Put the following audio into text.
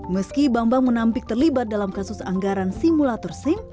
meski bambang menampik terlibat dalam kasus anggaran simulator sim